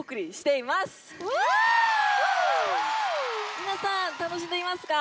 皆さん楽しんでいますか？